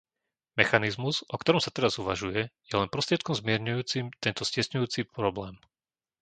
Mechanizmus, o ktorom sa teraz uvažuje, je len prostriedkom zmierňujúcim tento stiesňujúci problém.